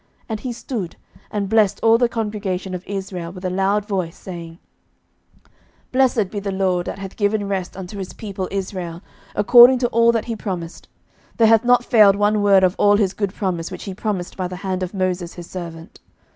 11:008:055 And he stood, and blessed all the congregation of Israel with a loud voice, saying, 11:008:056 Blessed be the LORD, that hath given rest unto his people Israel, according to all that he promised: there hath not failed one word of all his good promise, which he promised by the hand of Moses his servant.